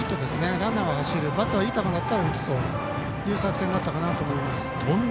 ランナーは走るバッターはいい球だったら打つという作戦だと思います。